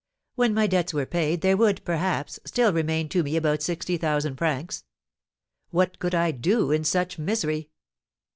When my debts were paid there would, perhaps, still remain to me about sixty thousand francs. What could I do in such misery?